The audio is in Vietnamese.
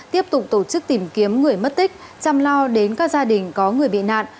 tiếp tục tổ chức tìm kiếm người mất tích chăm lo đến các gia đình có người bị nạn